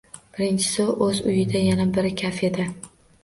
Birinchisi o`z uyida, yana biri kafeda